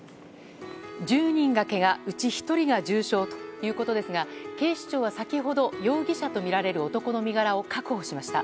１０人がけが、うち１人が重傷ということですが警視庁は先ほど容疑者とみられる男の身柄を確保しました。